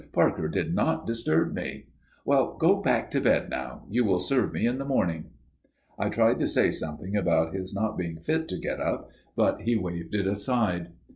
"Parker did not disturb me." "Well, go back to bed now. You will serve me in the morning?" I tried to say something about his not being fit to get up, but he waved it aside.